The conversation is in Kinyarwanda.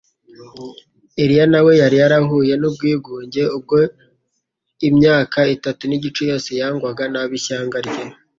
Eliya nawe yari yarahuye n'ubwigunge ubwo imyaka itatu n'igice yose yangwaga n'ab'ishyanga rye,